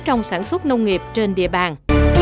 trong sản xuất nông nghiệp trên địa bàn